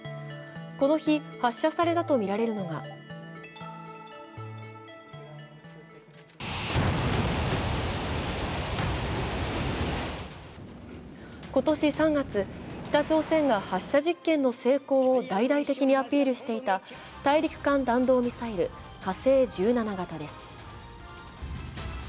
この日、発射されたとみられるのが今年３月、北朝鮮が発射実験の成功を大々的にアピールしていた大陸間弾道ミサイル・火星１７型です